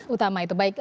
utama itu baik